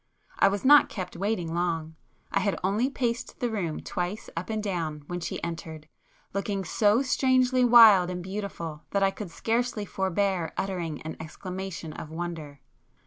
I was not kept waiting long; I had only paced the room twice up and down when she entered, looking so strangely wild and beautiful that I could scarcely forbear uttering an exclamation of wonder.